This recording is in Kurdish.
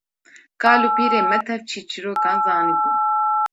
Kal û pîrên me tev çîrçîrokan zanibûn